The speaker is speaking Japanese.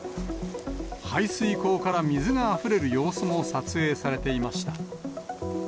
排水溝から水があふれる様子も撮影されていました。